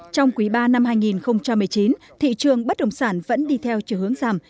trong quý ba năm hai nghìn một mươi chín thị trường bất động sản vẫn đi theo chiều hướng giảm